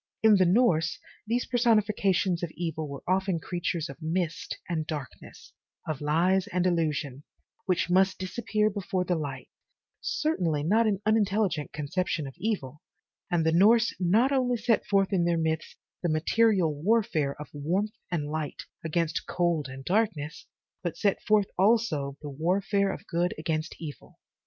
In the Norse, these personifications of evil were often creatures of mist and darkness, of lies and illusion, which must disappear before the light, certainly, not an unintelligent conception of evil, and the Norse not only set forth in their myths the material warfare of warmth and light against cold and dark ness, but they set forth also the warfare of good against evil.